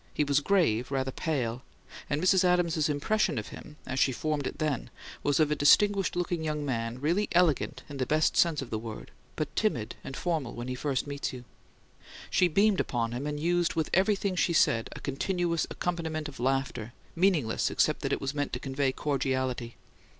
He was grave, rather pale; and Mrs. Adams's impression of him, as she formed it then, was of "a distinguished looking young man, really elegant in the best sense of the word, but timid and formal when he first meets you." She beamed upon him, and used with everything she said a continuous accompaniment of laughter, meaningless except that it was meant to convey cordiality.